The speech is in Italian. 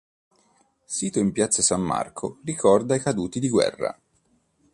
Sito in Piazza San Marco ricorda i Caduti di Guerra.